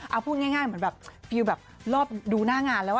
เอาพูดง่ายเหมือนแบบฟิลแบบรอบดูหน้างานแล้ว